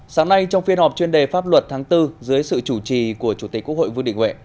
sáng nay trong phiên họp chuyên đề pháp luật tháng bốn dưới sự chủ trì của chủ tịch quốc hội vương đình huệ